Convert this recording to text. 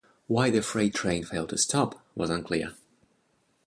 Why the freight train failed to stop was unclear.